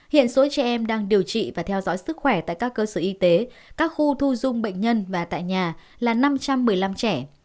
hiện số trẻ em đang điều trị và theo dõi sức khỏe tại các cơ sở y tế các khu thu dung bệnh nhân và tại nhà là năm trăm một mươi năm trẻ